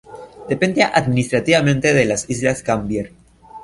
Depende administrativamente de las islas Gambier.